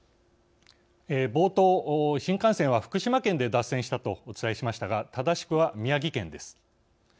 冒頭新幹線は福島県で脱線したとお伝えしましたが正しくは宮城県です。